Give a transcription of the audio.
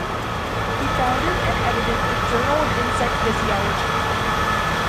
He founded and edited the "Journal of Insect Physiology".